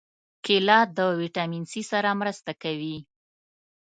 کېله د ویټامین C سره مرسته کوي.